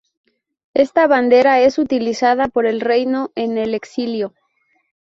Esta bandera es utilizada por el reino en el exilio.